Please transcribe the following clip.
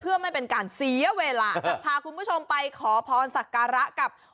เพื่อไม่เป็นการเสียเวลาจะพาคุณผู้ชมไปขอพรสักการะกับ